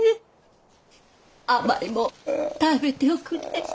甘いもん食べておくれ。